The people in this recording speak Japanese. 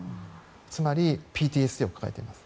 つまりＰＴＳＤを抱えています。